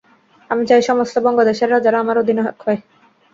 আমি চাই, সমস্ত বঙ্গদেশের রাজারা আমার অধীনে এক হয়।